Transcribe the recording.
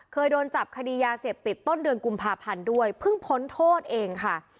เคยโดนจับคดียาเสพติดต้นเดือนกุมภาพันธ์ด้วยเพิ่งพ้นโทษเองค่ะ